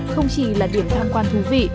không chỉ là điểm tham quan thú vị